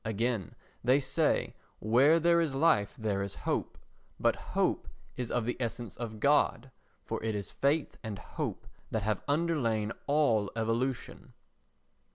Again, they say, "Where there is life there is hope," but hope is of the essence of God, for it is faith and hope that have underlain all evolution.